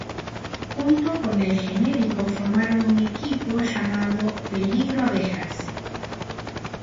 Junto con El Generico formaron un equipo llamado Peligro Abejas!.